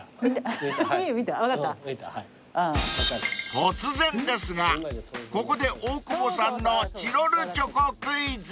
［突然ですがここで大久保さんのチロルチョコクイズ］